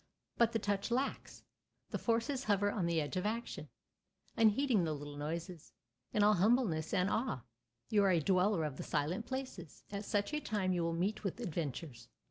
But the touch lacks. The forces hover on the edge of action, unheeding the little noises. In all humbleness and awe, you are a dweller of the Silent Places. At such a time you will meet with adventures.